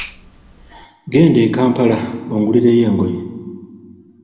Genda e Kampala ongulireyo engoye.